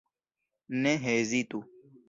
Ne hezitu.